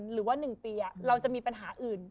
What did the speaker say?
หรือว่า๑ปีเราจะมีปัญหาอื่น